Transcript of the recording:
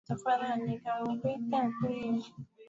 ili kuruhusu mwili kuzoea hali ya hewa ya anga za juu